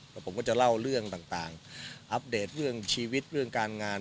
แล้วผมก็จะเล่าเรื่องต่างอัปเดตเรื่องชีวิตเรื่องการงาน